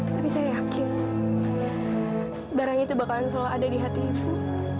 tapi saya yakin barang itu bakalan selalu ada di hati ibu